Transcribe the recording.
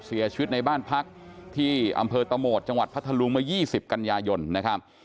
เสียชีวิตในบ้านพักที่อำเภอตะโหมดจังหวัดพัทธลุงเมื่อ๒๐กันยายนนะครับ